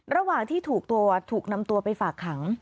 ระหว่างที่ถูกตัวถูกนำตัวไปฝากขัง